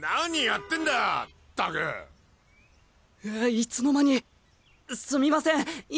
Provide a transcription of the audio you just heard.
いつの間にすみません今。